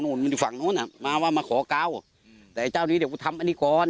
มันอยู่ฝั่งนู้นอ่ะมาว่ามาขอเกาอืมแต่ไอ้เจ้านี้เดี๋ยวกูทำอันนี้ก่อน